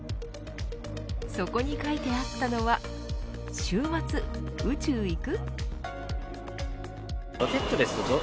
そこに書いてあったのは週末、宇宙行く？